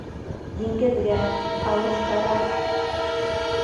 —Диңгеҙгә, алыҫҡараҡ...